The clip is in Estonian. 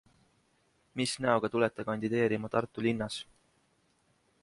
Mis näoga tulete kandideerima Tartu linnas?